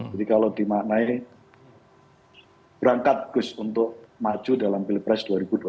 jadi kalau dimaknai berangkat gus untuk maju dalam pilpres dua ribu dua puluh empat